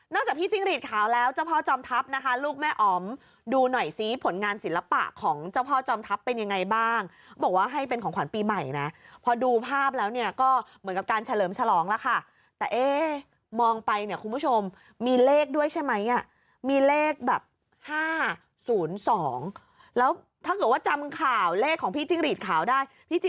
จากพี่จิ้งหลีดขาวแล้วเจ้าพ่อจอมทัพนะคะลูกแม่อ๋อมดูหน่อยซิผลงานศิลปะของเจ้าพ่อจอมทัพเป็นยังไงบ้างบอกว่าให้เป็นของขวัญปีใหม่นะพอดูภาพแล้วเนี่ยก็เหมือนกับการเฉลิมฉลองแล้วค่ะแต่เอ๊ะมองไปเนี่ยคุณผู้ชมมีเลขด้วยใช่ไหมอ่ะมีเลขแบบ๕๐๒แล้วถ้าเกิดว่าจำข่าวเลขของพี่จิ้งหลีดขาวได้พี่จิ